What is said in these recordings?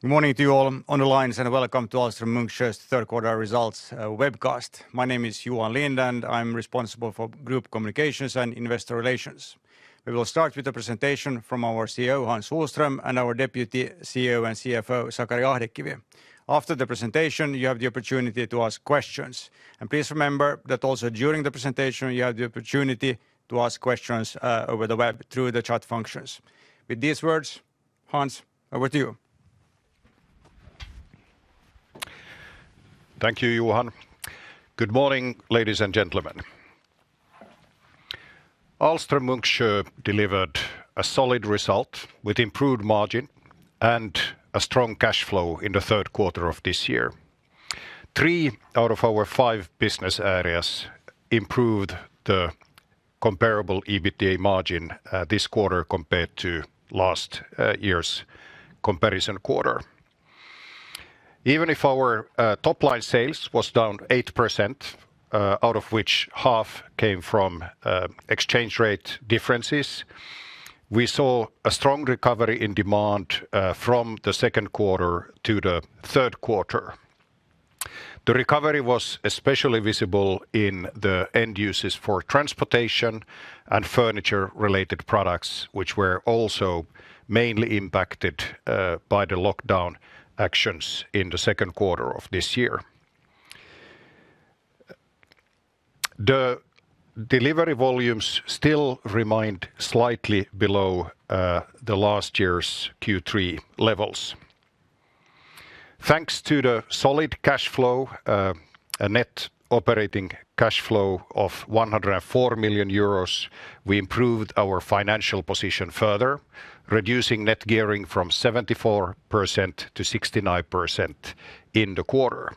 Good morning to you all on the lines, and welcome to Ahlstrom-Munksjö Third Quarter Results Webcast. My name is Johan Lindh and I'm responsible for group communications and investor relations. We will start with a presentation from our CEO, Hans Sohlström, and our Deputy CEO and CFO, Sakari Ahdekivi. After the presentation, you have the opportunity to ask questions. Please remember that also during the presentation, you have the opportunity to ask questions over the web through the chat functions. With these words, Hans, over to you. Thank you, Johan. Good morning, ladies and gentlemen. Ahlstrom-Munksjö delivered a solid result with improved margin and a strong cash flow in the third quarter of this year. Three out of our five business areas improved the comparable EBITDA margin this quarter compared to last year's comparison quarter. If our top-line sales was down 8%, out of which half came from exchange rate differences, we saw a strong recovery in demand from the second quarter to the third quarter. The recovery was especially visible in the end uses for transportation and furniture-related products, which were also mainly impacted by the lockdown actions in the second quarter of this year. The delivery volumes still remained slightly below the last year's Q3 levels. Thanks to the solid cash flow, a net operating cash flow of 104 million euros, we improved our financial position further, reducing net gearing from 74% to 69% in the quarter.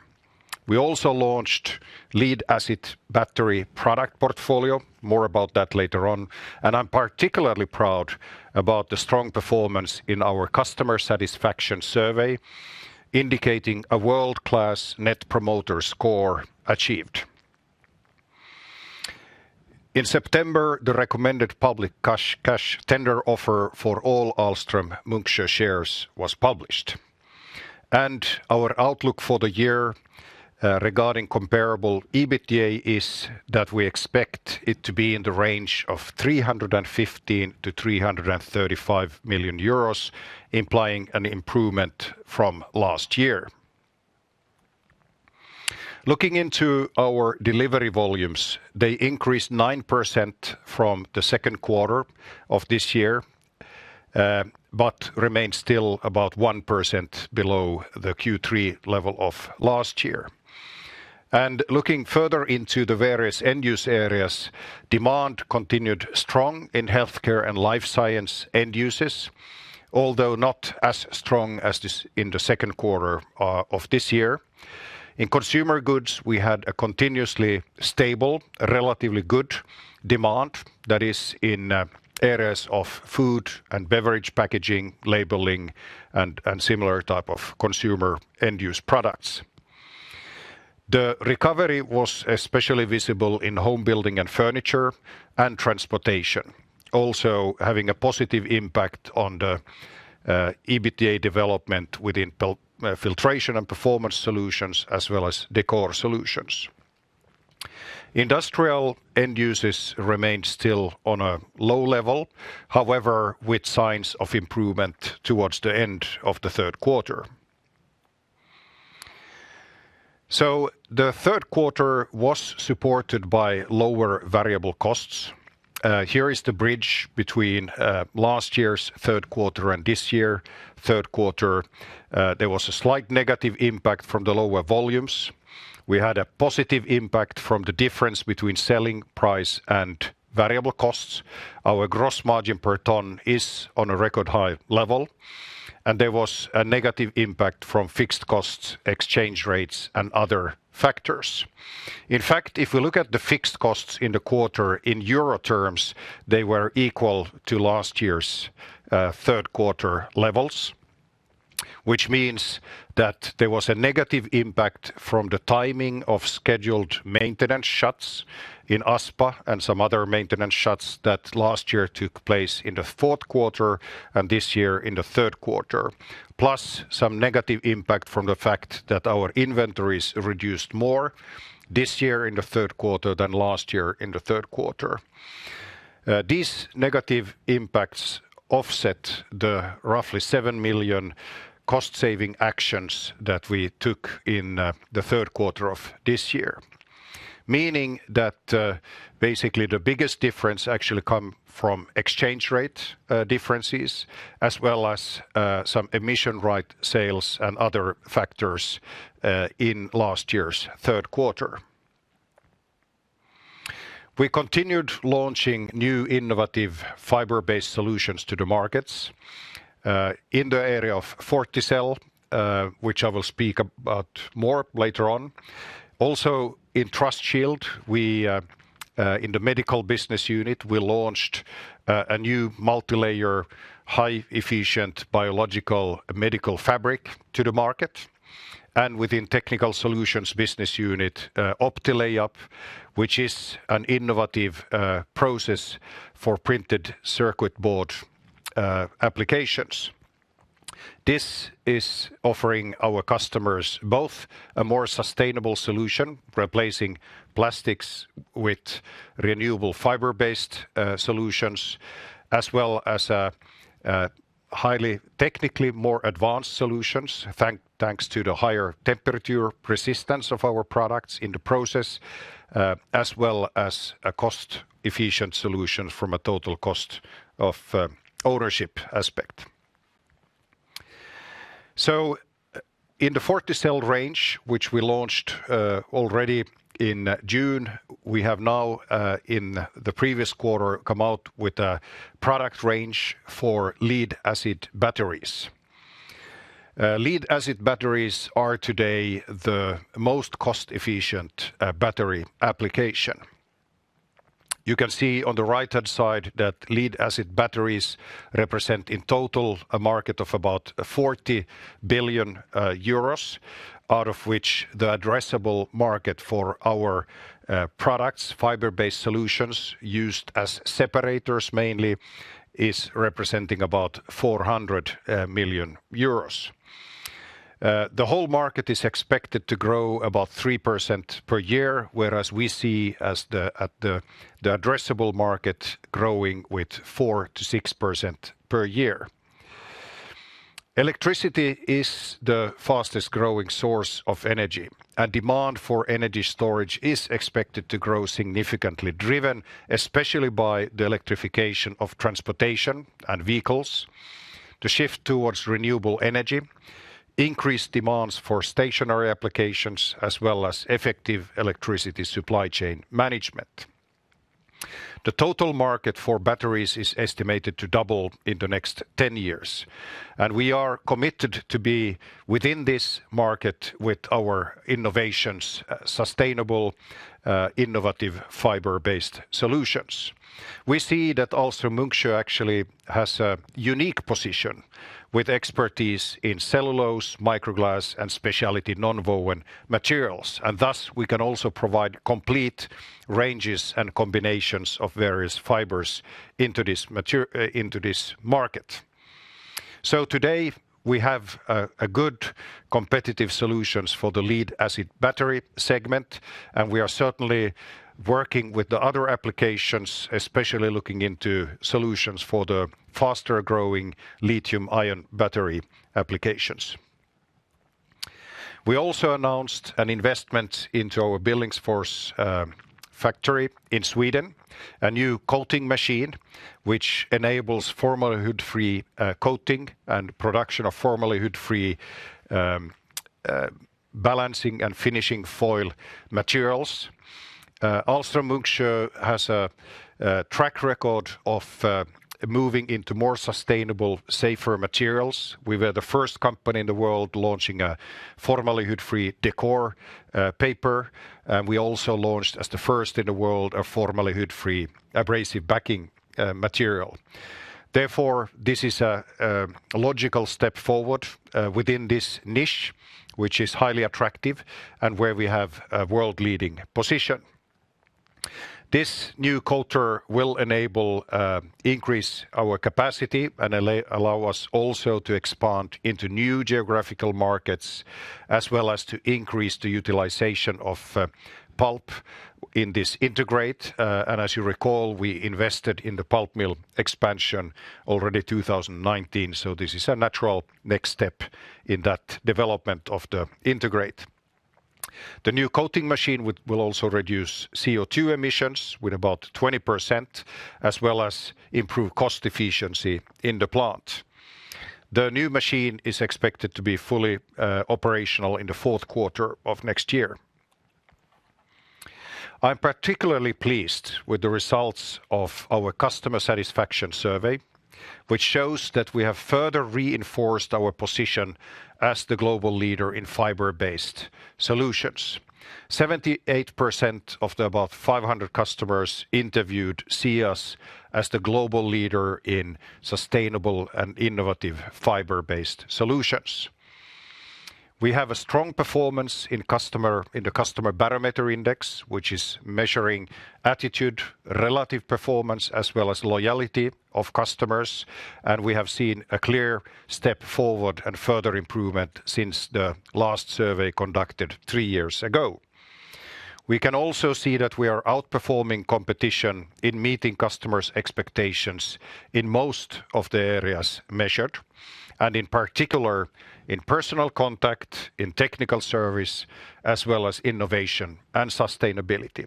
We also launched lead-acid battery product portfolio. More about that later on, I'm particularly proud about the strong performance in our customer satisfaction survey, indicating a world-class Net Promoter Score achieved. In September, the recommended public cash tender offer for all Ahlstrom-Munksjö shares was published. Our outlook for the year regarding comparable EBITDA is that we expect it to be in the range of 315 million-335 million euros, implying an improvement from last year. Looking into our delivery volumes, they increased 9% from the second quarter of this year, remain still about 1% below the Q3 level of last year. Looking further into the various end-use areas, demand continued strong in healthcare and life science end uses, although not as strong as in the second quarter of this year. In consumer goods, we had a continuously stable, relatively good demand that is in areas of food and beverage packaging, labeling, and similar type of consumer end-use products. The recovery was especially visible in home building and furniture, and transportation. Also, having a positive impact on the EBITDA development within Filtration & Performance Solutions, as well as Decor Solutions. Industrial end uses remained still on a low level, however, with signs of improvement towards the end of the third quarter. The third quarter was supported by lower variable costs. Here is the bridge between last year's third quarter and this year third quarter. There was a slight negative impact from the lower volumes. We had a positive impact from the difference between selling price and variable costs. Our gross margin per ton is on a record high level. There was a negative impact from fixed costs, exchange rates, and other factors. In fact, if we look at the fixed costs in the quarter in EUR terms, they were equal to last year's third quarter levels, which means that there was a negative impact from the timing of scheduled maintenance shuts in Aspa and some other maintenance shuts that last year took place in the fourth quarter and this year in the third quarter. Plus some negative impact from the fact that our inventories reduced more this year in the third quarter than last year in the third quarter. These negative impacts offset the roughly 7 million cost-saving actions that we took in the third quarter of this year. Meaning that basically the biggest difference actually come from exchange rate differences as well as some emission right sales and other factors in last year's third quarter. We continued launching new innovative fiber-based solutions to the markets, in the area of FortiCell, which I will speak about more later on. Also in TrustShield, in the medical business unit, we launched a new multilayer, high efficient biological medical fabric to the market. Within Technical Solutions business unit, OptiLayup, which is an innovative process for printed circuit board applications. This is offering our customers both a more sustainable solution, replacing plastics with renewable fiber-based solutions, as well as highly technically more advanced solutions, thanks to the higher temperature resistance of our products in the process, as well as a cost-efficient solution from a total cost of ownership aspect. In the FortiCell range, which we launched already in June, we have now in the previous quarter come out with a product range for lead-acid batteries. Lead-acid batteries are today the most cost-efficient battery application. You can see on the right-hand side that lead-acid batteries represent in total a market of about 40 billion euros, out of which the addressable market for our products, fiber-based solutions used as separators mainly, is representing about 400 million euros. The whole market is expected to grow about 3% per year, whereas we see the addressable market growing with 4%-6% per year. Electricity is the fastest-growing source of energy. A demand for energy storage is expected to grow significantly, driven especially by the electrification of transportation and vehicles, the shift towards renewable energy, increased demands for stationary applications, as well as effective electricity supply chain management. The total market for batteries is estimated to double in the next 10 years. We are committed to be within this market with our innovations, sustainable innovative fiber-based solutions. We see that Ahlstrom-Munksjö actually has a unique position with expertise in cellulose, microglass, and specialty nonwoven materials. Thus we can also provide complete ranges and combinations of various fibers into this market. Today, we have good competitive solutions for the lead-acid battery segment. We are certainly working with the other applications, especially looking into solutions for the faster-growing lithium-ion battery applications. We also announced an investment into our Billingsfors factory in Sweden, a new coating machine, which enables formaldehyde-free coating and production of formaldehyde-free balancing and finishing foil materials. Ahlstrom-Munksjö has a track record of moving into more sustainable, safer materials. We were the first company in the world launching a formaldehyde-free decor paper, and we also launched as the first in the world a formaldehyde-free abrasive backing material. This is a logical step forward within this niche, which is highly attractive and where we have a world-leading position. This new coater will enable increase our capacity and allow us also to expand into new geographical markets as well as to increase the utilization of pulp in this integrate. As you recall, we invested in the pulp mill expansion already 2019, this is a natural next step in that development of the integrate. The new coating machine will also reduce CO2 emissions with about 20%, as well as improve cost efficiency in the plant. The new machine is expected to be fully operational in the fourth quarter of next year. I'm particularly pleased with the results of our customer satisfaction survey, which shows that we have further reinforced our position as the global leader in fiber-based solutions. 78% of the about 500 customers interviewed see us as the global leader in sustainable and innovative fiber-based solutions. We have a strong performance in the customer barometer index, which is measuring attitude, relative performance, as well as loyalty of customers, and we have seen a clear step forward and further improvement since the last survey conducted three years ago. We can also see that we are outperforming competition in meeting customers' expectations in most of the areas measured, and in particular, in personal contact, in technical service, as well as innovation and sustainability.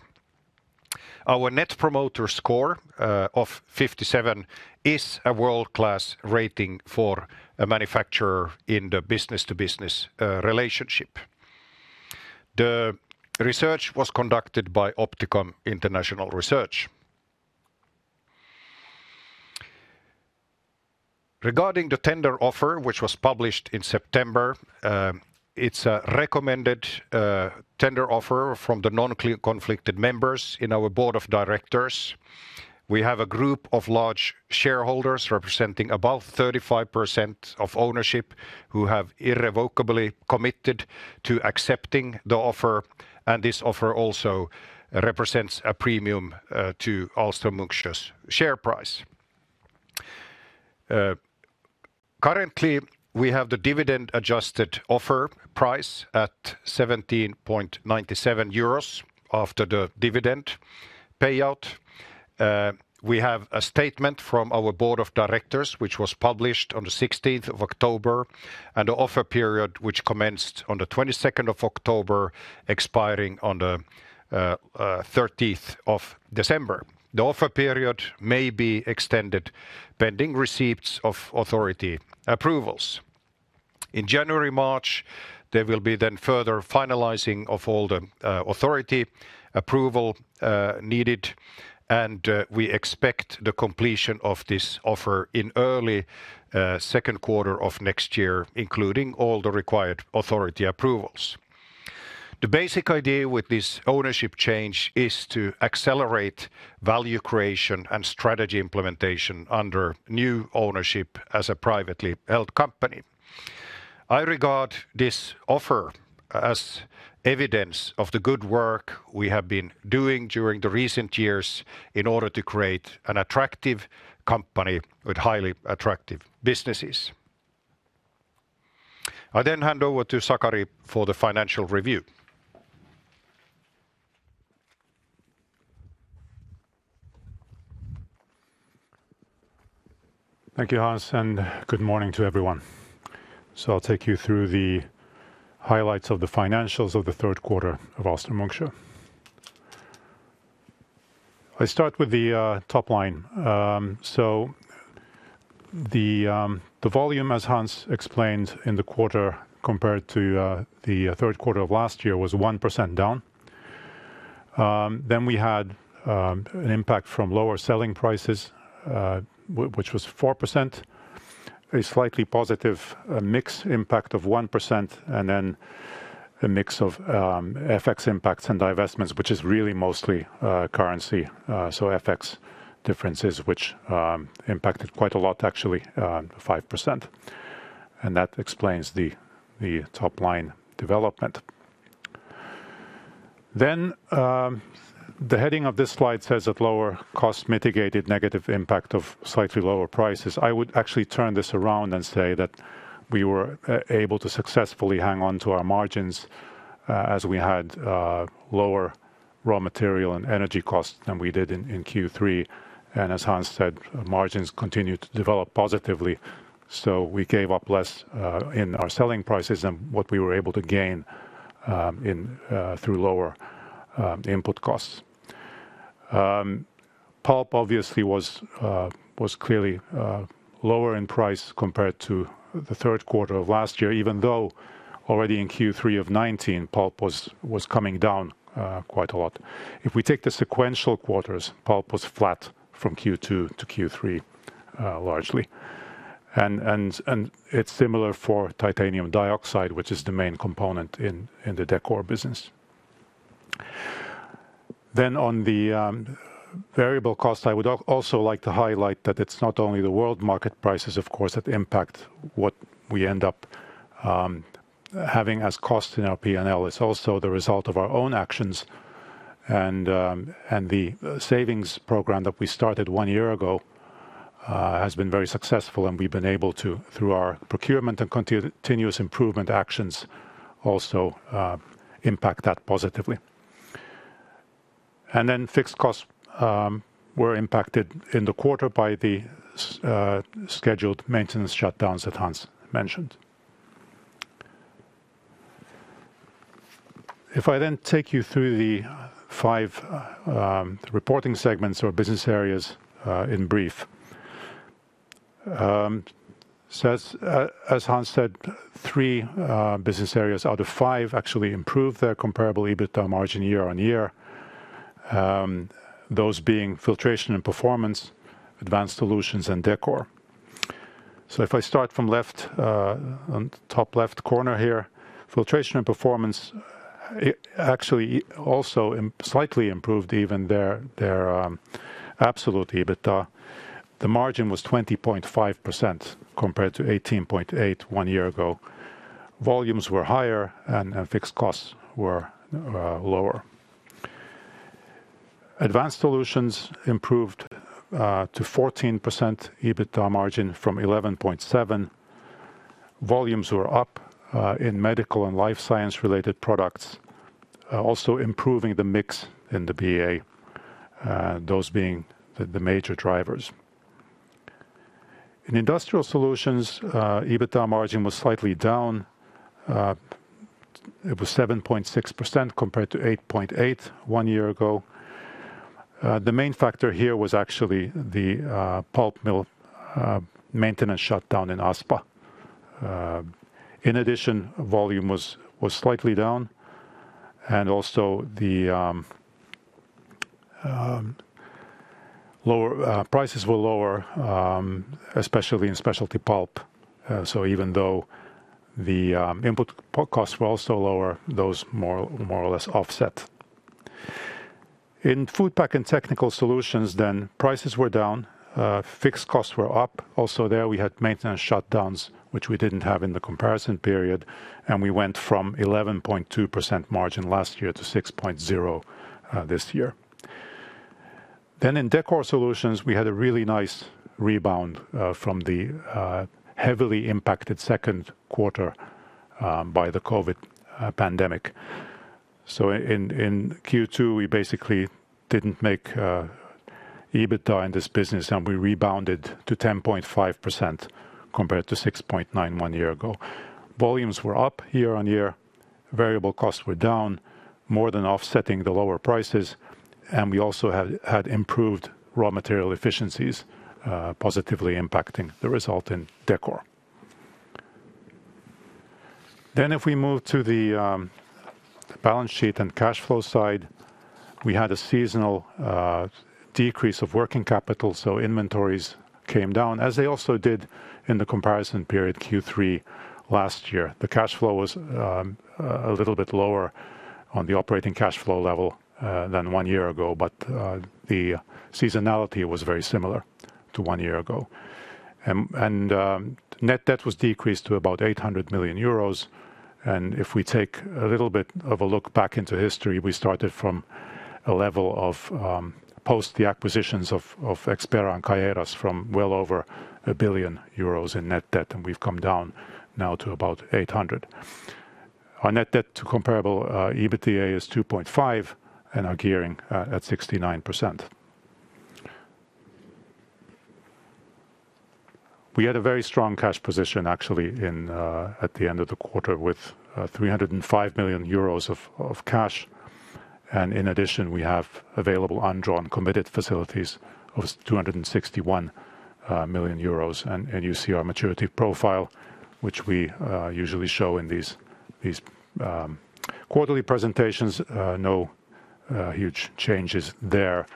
Our Net Promoter Score of 57 is a world-class rating for a manufacturer in the business-to-business relationship. The research was conducted by Opticom International Research. Regarding the tender offer, which was published in September, it's a recommended tender offer from the non-conflicted members in our board of directors. We have a group of large shareholders representing about 35% of ownership who have irrevocably committed to accepting the offer, and this offer also represents a premium to Ahlstrom-Munksjö's share price. Currently, we have the dividend adjusted offer price at 17.97 euros after the dividend payout. We have a statement from our board of directors, which was published on the 16th of October, and the offer period, which commenced on the 22nd of October, expiring on the 30th of December. The offer period may be extended pending receipts of authority approvals. In January, March, there will be then further finalizing of all the authority approval needed, and we expect the completion of this offer in early second quarter of next year, including all the required authority approvals. The basic idea with this ownership change is to accelerate value creation and strategy implementation under new ownership as a privately held company. I regard this offer as evidence of the good work we have been doing during the recent years in order to create an attractive company with highly attractive businesses. I hand over to Sakari for the financial review. Thank you, Hans. Good morning to everyone. I'll take you through the highlights of the financials of the third quarter of Ahlstrom-Munksjö. I start with the top line. The volume, as Hans explained in the quarter compared to the third quarter of last year, was 1% down. We had an impact from lower selling prices, which was 4%, a slightly positive mix impact of 1%, and a mix of FX impacts and divestments, which is really mostly currency. FX differences, which impacted quite a lot, actually 5%. That explains the top line development. The heading of this slide says that lower cost mitigated negative impact of slightly lower prices. I would actually turn this around and say that we were able to successfully hang on to our margins as we had lower raw material and energy costs than we did in Q3. As Hans said, margins continued to develop positively, we gave up less in our selling prices than what we were able to gain through lower input costs. Pulp obviously was clearly lower in price compared to the third quarter of last year, even though already in Q3 of 2019, pulp was coming down quite a lot. If we take the sequential quarters, pulp was flat from Q2 to Q3, largely. It's similar for titanium dioxide, which is the main component in the Decor business. On the variable cost, I would also like to highlight that it's not only the world market prices, of course, that impact what we end up having as cost in our P&L. It's also the result of our own actions, and the savings program that we started one year ago has been very successful, and we've been able to, through our procurement and continuous improvement actions, also impact that positively. Fixed costs were impacted in the quarter by the scheduled maintenance shutdowns that Hans mentioned. If I then take you through the five reporting segments or business areas in brief. As Hans said, three business areas out of five actually improved their comparable EBITDA margin year-on-year, those being Filtration & Performance, Advanced Solutions, and Decor. If I start from top left corner here, Filtration & Performance actually also slightly improved even their absolute EBITDA. The margin was 20.5% compared to 18.8% one year ago. Volumes were higher and fixed costs were lower. Advanced Solutions improved to 14% EBITDA margin from 11.7%. Volumes were up in medical and life science related products, also improving the mix in the BA, those being the major drivers. In Industrial Solutions, EBITDA margin was slightly down. It was 7.6% compared to 8.8% one year ago. The main factor here was actually the pulp mill maintenance shutdown in Aspa. In addition, volume was slightly down, and also prices were lower, especially in specialty pulp. Even though the input costs were also lower, those more or less offset. In Food Packaging & Technical Solutions, prices were down, fixed costs were up. Also there we had maintenance shutdowns, which we didn't have in the comparison period, and we went from 11.2% margin last year to 6.0% this year. In Decor Solutions, we had a really nice rebound from the heavily impacted second quarter by the COVID-19 pandemic. In Q2, we basically didn't make EBITDA in this business, and we rebounded to 10.5% compared to 6.91% one year ago. Volumes were up year-over-year. Variable costs were down, more than offsetting the lower prices. We also had improved raw material efficiencies, positively impacting the result in Decor. If we move to the balance sheet and cash flow side, we had a seasonal decrease of working capital, so inventories came down as they also did in the comparison period Q3 last year. The cash flow was a little bit lower on the operating cash flow level than one year ago, but the seasonality was very similar to one year ago. Net debt was decreased to about 800 million euros. If we take a little bit of a look back into history, we started from a level of post the acquisitions of Expera and Caieiras from well over 1 billion euros in net debt, and we've come down now to about 800 million. Our net debt to comparable EBITDA is 2.5 and our gearing at 69%. We had a very strong cash position actually at the end of the quarter with 305 million euros of cash. In addition, we have available undrawn committed facilities of 261 million euros. You see our maturity profile, which we usually show in these quarterly presentations. No huge changes there.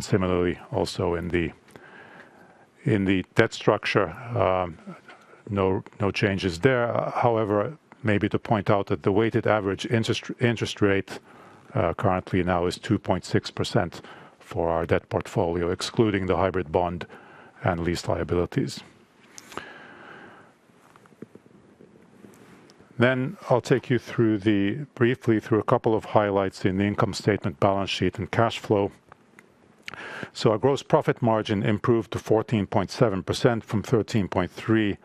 Similarly, also in the debt structure, no changes there. However, maybe to point out that the weighted average interest rate currently now is 2.6% for our debt portfolio, excluding the hybrid bond and lease liabilities. I'll take you briefly through a couple of highlights in the income statement, balance sheet, and cash flow. Our gross profit margin improved to 14.7% from 13.3%,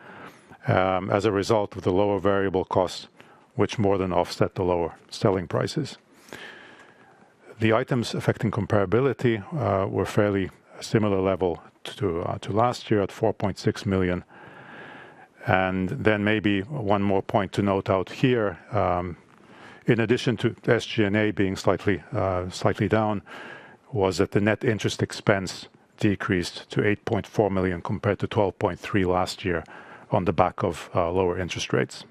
as a result of the lower variable cost, which more than offset the lower selling prices. The items affecting comparability were fairly similar level to last year at 4.6 million. Maybe one more point to note out here, in addition to SG&A being slightly down, was that the net interest expense decreased to 8.4 million compared to 12.3 million last year on the back of lower interest rates.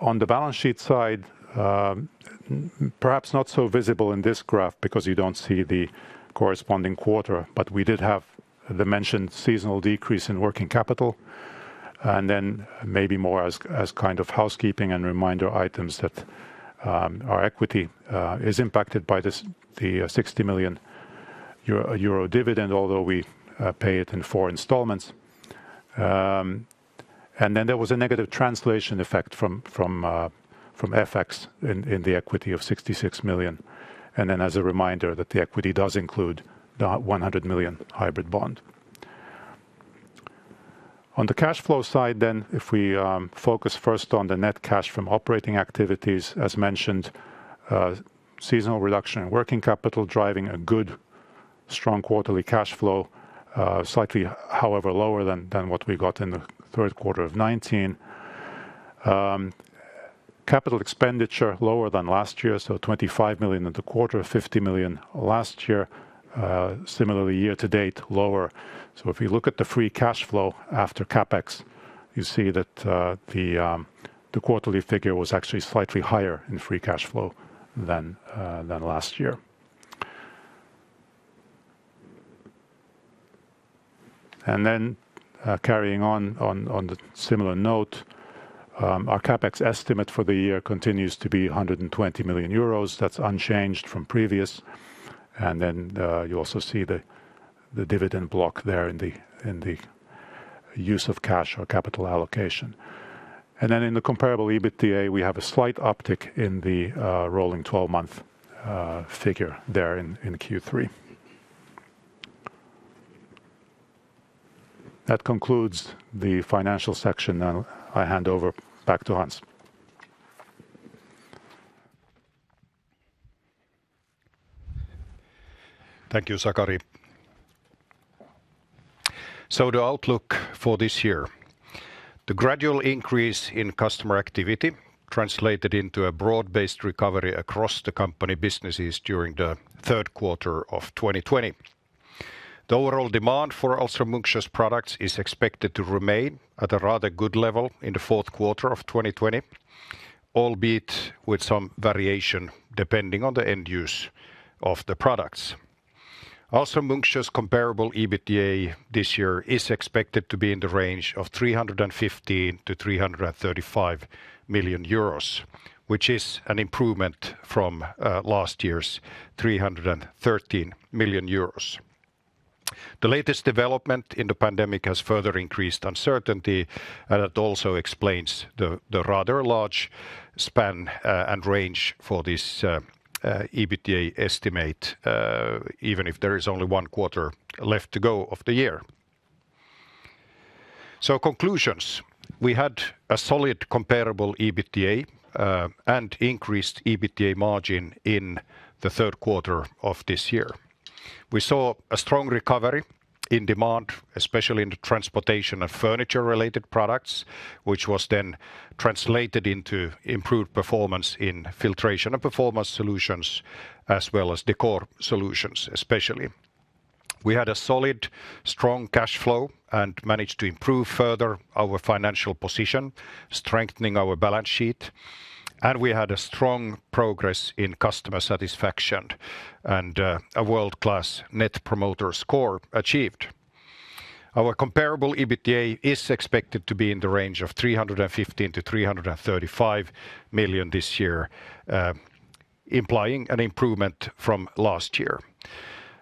On the balance sheet side, perhaps not so visible in this graph because you don't see the corresponding quarter, but we did have the mentioned seasonal decrease in working capital, and then maybe more as kind of housekeeping and reminder items that our equity is impacted by the 60 million euro dividend, although we pay it in four installments. There was a negative translation effect from FX in the equity of 66 million. As a reminder that the equity does include the 100 million hybrid bond. On the cash flow side, if we focus first on the net cash from operating activities, as mentioned, seasonal reduction in working capital driving a good, strong quarterly cash flow, slightly, however, lower than what we got in the third quarter of 2019. CapEx lower than last year, so 25 million in the quarter, 50 million last year. Similarly, year-to-date, lower. If you look at the free cash flow after CapEx, you see that the quarterly figure was actually slightly higher in free cash flow than last year. Carrying on the similar note, our CapEx estimate for the year continues to be 120 million euros. That's unchanged from previous. You also see the dividend block there in the use of cash or capital allocation. In the comparable EBITDA, we have a slight uptick in the rolling 12-month figure there in Q3. That concludes the financial section. Now I hand over back to Hans. Thank you, Sakari. The outlook for this year. The gradual increase in customer activity translated into a broad-based recovery across the company businesses during the third quarter of 2020. The overall demand for Ahlstrom-Munksjö's products is expected to remain at a rather good level in the fourth quarter of 2020, albeit with some variation depending on the end use of the products. Ahlstrom-Munksjö's comparable EBITDA this year is expected to be in the range of 315 million-335 million euros, which is an improvement from last year's 313 million euros. The latest development in the pandemic has further increased uncertainty, and it also explains the rather large span and range for this EBITDA estimate, even if there is only one quarter left to go of the year. Conclusions, we had a solid comparable EBITDA, and increased EBITDA margin in the third quarter of this year. We saw a strong recovery in demand, especially in the transportation of furniture-related products, which was then translated into improved performance in Filtration & Performance Solutions, as well as Decor Solutions, especially. We had a solid, strong cash flow and managed to improve further our financial position, strengthening our balance sheet. We had a strong progress in customer satisfaction and a world-class Net Promoter Score achieved. Our comparable EBITDA is expected to be in the range of 315 million-335 million this year, implying an improvement from last year.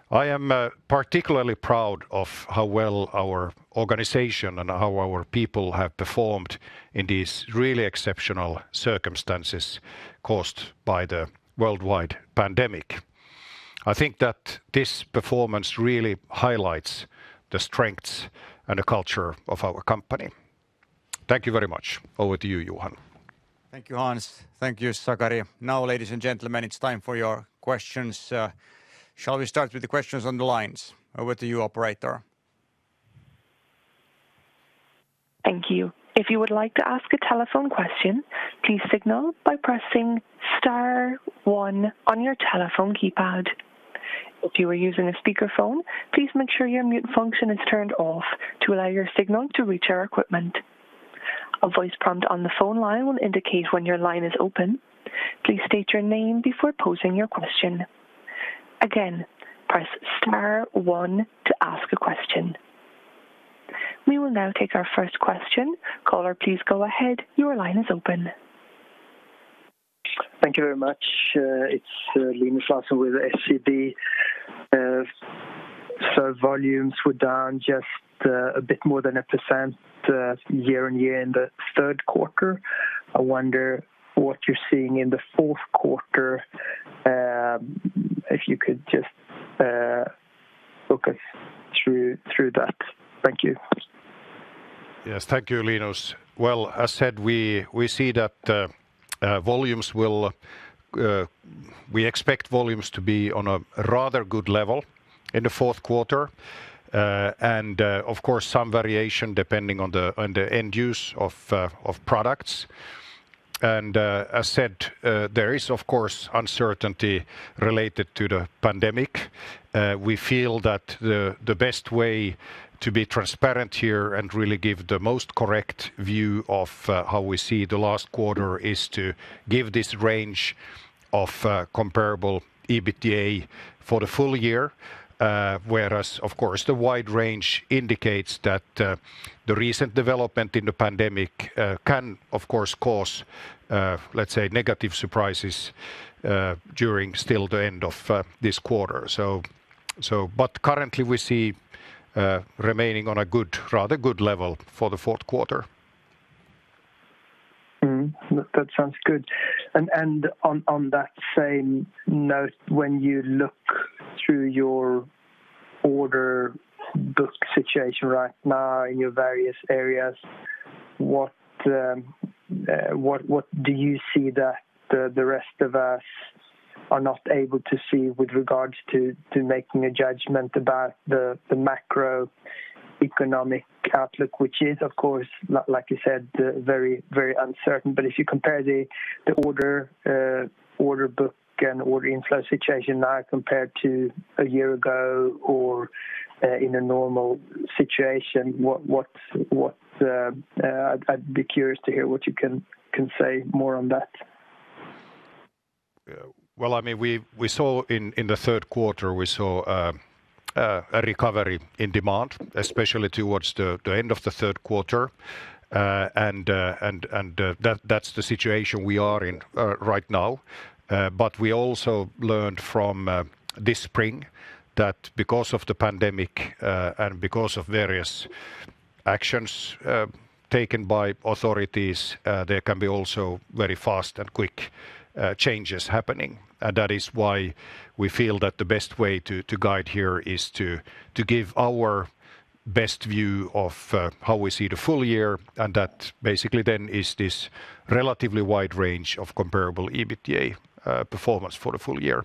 I am particularly proud of how well our organization and how our people have performed in these really exceptional circumstances caused by the worldwide pandemic. I think that this performance really highlights the strengths and the culture of our company. Thank you very much. Over to you, Johan. Thank you, Hans. Thank you, Sakari. Now, ladies and gentlemen, it's time for your questions. Shall we start with the questions on the lines? Over to you, operator. Thank you. If you would like to ask a telephone question, please signal by pressing star one on your telephone keypad. If you are using a speakerphone, please make sure your mute function is turned off to allow your signal to reach our equipment. A voice prompt on the phone line will indicate when your line is open. Please state your name before posing your question. Again, press star one to ask a question. We will now take our first question. Caller, please go ahead. Your line is open. Thank you very much. It's Linus Larsson with SEB. Volumes were down just a bit more than a percent year-on-year in the third quarter. I wonder what you're seeing in the fourth quarter, if you could just walk us through that. Thank you. Yes. Thank you, Linus. Well, as said, we expect volumes to be on a rather good level in the fourth quarter. Of course, some variation depending on the end use of products. As said, there is, of course, uncertainty related to the pandemic. We feel that the best way to be transparent here and really give the most correct view of how we see the last quarter is to give this range of comparable EBITDA for the full year. Whereas of course, the wide range indicates that the recent development in the pandemic can, of course, cause let's say negative surprises during still the end of this quarter. Currently we see remaining on a rather good level for the fourth quarter. That sounds good. On that same note, when you look through your order book situation right now in your various areas, what do you see that the rest of us are not able to see with regards to making a judgment about the macroeconomic outlook, which is, of course, like you said, very uncertain. If you compare the order book and order inflow situation now compared to a year ago or in a normal situation, I'd be curious to hear what you can say more on that. Well, in the third quarter, we saw a recovery in demand, especially towards the end of the third quarter. That's the situation we are in right now. We also learned from this spring that because of the pandemic, and because of various actions taken by authorities, there can be also very fast and quick changes happening. That is why we feel that the best way to guide here is to give our best view of how we see the full year, and that basically then is this relatively wide range of comparable EBITDA performance for the full year.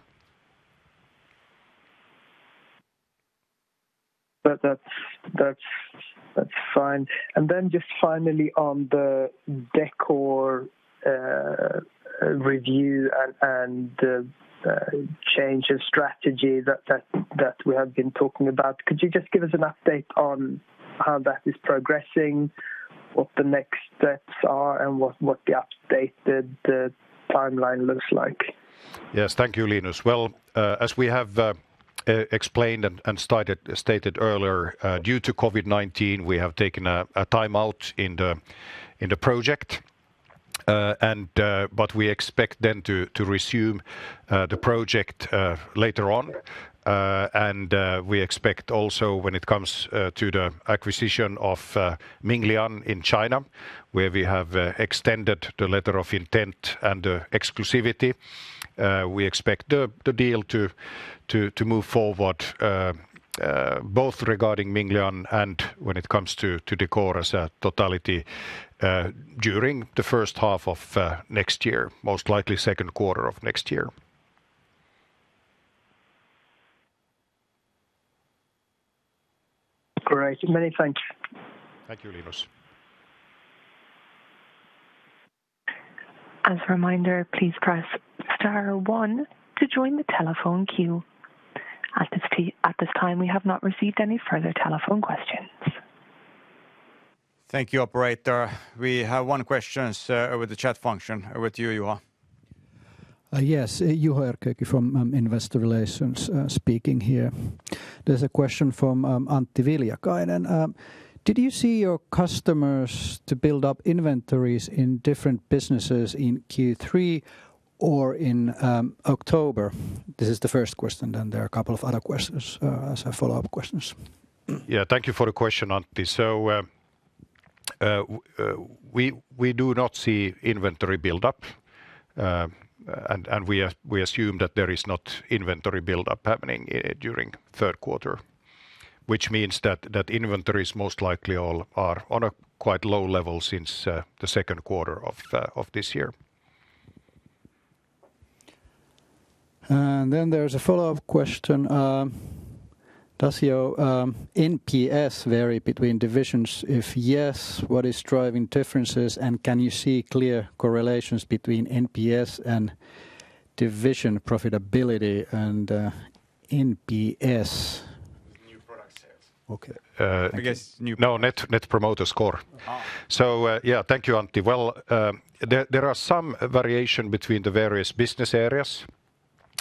That's fine. Just finally on the Decor review and the change of strategy that we have been talking about, could you just give us an update on how that is progressing, what the next steps are, and what the updated timeline looks like? Yes. Thank you, Linus. Well, as we have explained and stated earlier, due to COVID-19, we have taken a timeout in the project. We expect then to resume the project later on. We expect also when it comes to the acquisition of Minglian in China, where we have extended the letter of intent and exclusivity, we expect the deal to move forward both regarding Minglian and when it comes to Decor's totality during the first half of next year, most likely second quarter of next year. Great. Many thanks. Thank you, Linus. As a reminder, please press star one to join the telephone queue. At this time, we have not received any further telephone questions. Thank you, operator. We have one question with the chat function with you, Juho. Yes. Juho Erkheikki from Investor Relations speaking here. There is a question from Antti Viljakainen. Did you see your customers to build up inventories in different businesses in Q3 or in October? This is the first question. There are a couple of other questions as follow-up questions. Yeah, thank you for the question, Antti. We do not see inventory build-up, and we assume that there is no inventory build-up happening during the third quarter, which means that inventories most likely all are on a quite low level since the second quarter of this year. There's a follow-up question. Does your NPS vary between divisions? If yes, what is driving differences? Can you see clear correlations between NPS and division profitability? NPS New product sales. Okay. No, Net Promoter Score. Yeah, thank you, Antti. Well, there are some variation between the various business areas,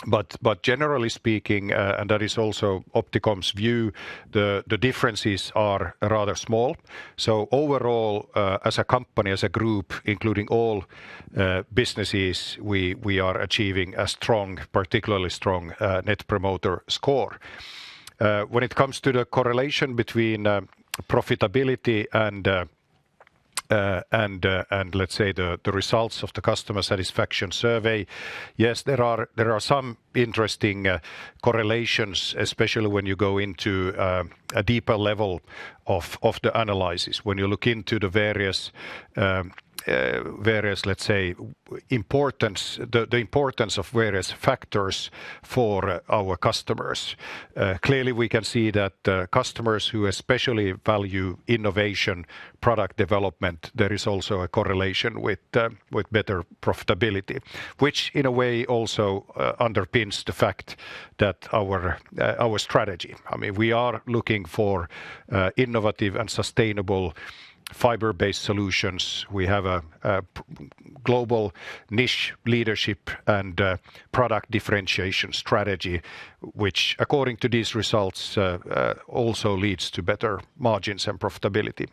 but generally speaking, and that is also Opticom's view, the differences are rather small. Overall, as a company, as a group, including all businesses, we are achieving a particularly strong Net Promoter Score. When it comes to the correlation between profitability and let's say the results of the customer satisfaction survey, yes, there are some interesting correlations, especially when you go into a deeper level of the analysis. When you look into the importance of various factors for our customers, clearly, we can see that customers who especially value innovation, product development, there is also a correlation with better profitability, which in a way also underpins the fact that our strategy. I mean, we are looking for innovative and sustainable fiber-based solutions. We have a global niche leadership and product differentiation strategy, which according to these results, also leads to better margins and profitability.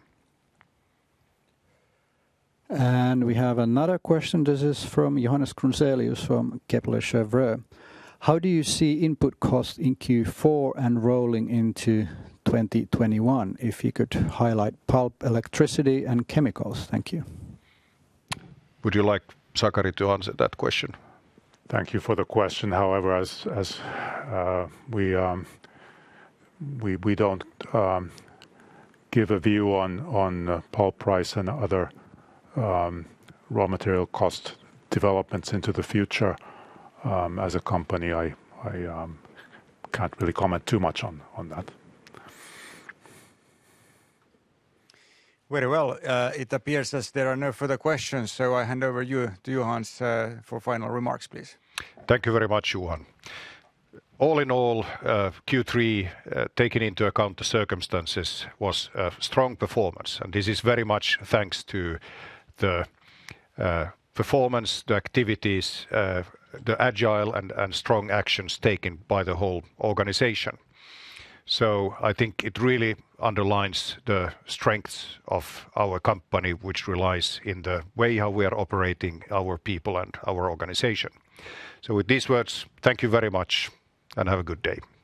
We have another question. This is from Johannes Grunselius from Kepler Cheuvreux. How do you see input costs in Q4 and rolling into 2021? If you could highlight pulp, electricity, and chemicals. Thank you. Would you like Sakari to answer that question? Thank you for the question. As we don't give a view on pulp price and other raw material cost developments into the future, as a company, I can't really comment too much on that. Very well. It appears as there are no further questions. I hand over to you, Hans, for final remarks, please. Thank you very much, Johan. All in all, Q3, taking into account the circumstances, was a strong performance. This is very much thanks to the performance, the activities, the agile and strong actions taken by the whole organization. I think it really underlines the strengths of our company, which relies in the way how we are operating our people and our organization. With these words, thank you very much, and have a good day.